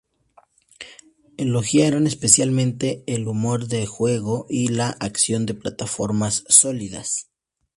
Elogiaron especialmente el humor del juego y la acción de plataformas sólidas.